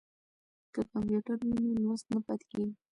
که کمپیوټر وي نو لوست نه پاتې کیږي.